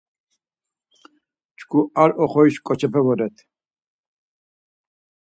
Çku ar oxorişi ǩoçepe voret.